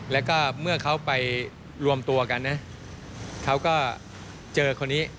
แล้วก็เมื่อเขาไปรวมตัวกันนะเขาก็เจอคนนี้